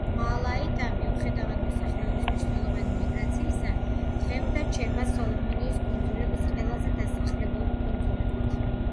მალაიტა, მიუხედავად მოსახლეობის მნიშვნელოვანი მიგრაციისა, დღემდე რჩება სოლომონის კუნძულების ყველაზე დასახლებულ კუნძულად.